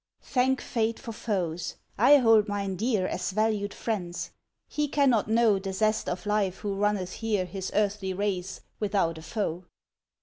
Thank Fate for foes! I hold mine dear As valued friends. He cannot know The zest of life who runneth here His earthly race without a foe.